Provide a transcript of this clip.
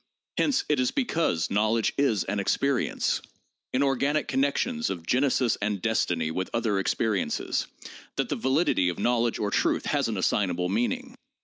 Hence it is because knowledge is an experience, in organic connections of genesis and destiny with other experiences, that the validity of knowledge or truth has an assignable meaning.